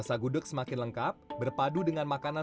jadi akan contoh bagaimana